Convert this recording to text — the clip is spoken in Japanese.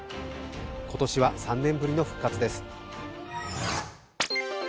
今年は３年ぶりの復活です。